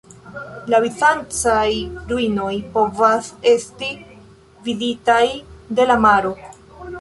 La bizancaj ruinoj povas esti viditaj de la maro.